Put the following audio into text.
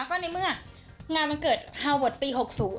ก็ในเมื่องานวันเกิดฮาเวิร์ดปี๖๐